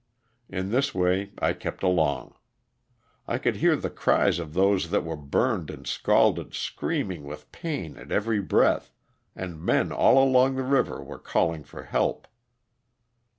In this way I kept along. I could hear the cries of those that were burned and scalded screaming with pain at every breath, and men all along the river were calling for help.